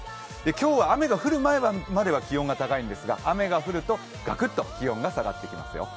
今日は雨が降る前までは気温が高いんですが雨が降るとガクッと気温が下がってきますよ。